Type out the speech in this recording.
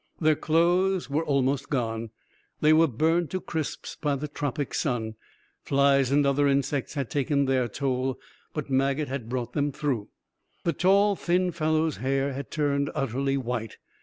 Their clothes were almost gone, they were burned to crisps by the tropic sun. Flies and other insects had taken their toll. But Maget had brought them through. The tall, thin fellow's hair had turned utterly white.